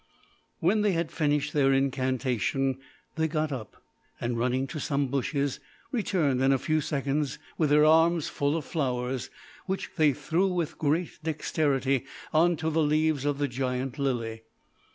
When they had finished their incantation, they got up, and running to some bushes, returned in a few seconds with their arms full of flowers, which they threw with great dexterity on to the leaves of the giant lily.